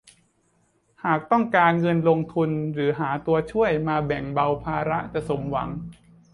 หากต้องการเงินลงทุนหรือหาตัวช่วยมาแบ่งเบาภาระจะสมหวัง